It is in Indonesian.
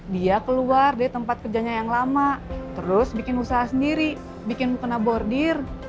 dia keluar dia tempat kerjanya yang lama terus bikin usaha sendiri bikin mukena bordir